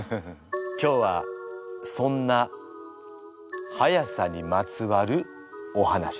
今日はそんな速さにまつわるお話です。